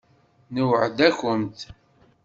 Nweεεed-akumt.